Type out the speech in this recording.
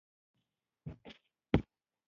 بلشویکانو یو پیاوړی مرکزي دولت جوړ کړی و